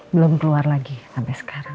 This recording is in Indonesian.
belum keluar lagi sampai sekarang